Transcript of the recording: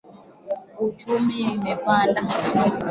Uchumi umepanda.